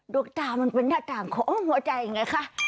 ตามันเป็นหน้าต่างของหัวใจไงคะ